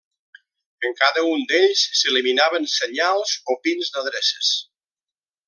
En cada un d'ells s'eliminaven senyals o pins d'adreces.